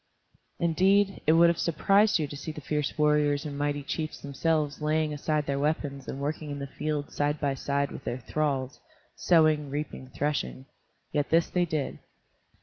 Indeed, it would have surprised you to see the fierce warriors and mighty chiefs themselves laying aside their weapons and working in the fields side by side with their thralls, sowing, reaping, threshing. Yet this they did.